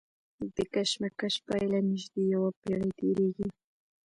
د کشمش پیله نژدې یوه پېړۍ تېرېږي.